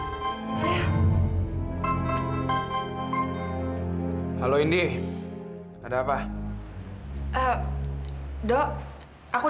indi itu pasti telepon karena khawatir tentang kamu